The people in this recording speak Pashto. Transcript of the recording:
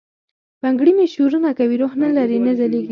بنګړي مي شورنه کوي، روح نه لری، نه ځلیږي